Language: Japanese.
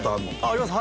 あります